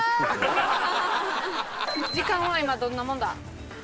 時間は今どんなもんだ？